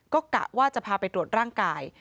ก็กะว่าจะพาไปตรวจร่างกาย